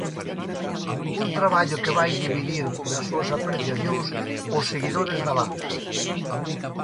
Un traballo que vai dividir nas súas apreciacións os seguidores da banda.